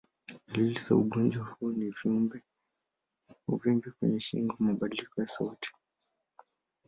Dalili za ugonjwa huu ni uvimbe kwenye shingo, mabadiliko ya sauti.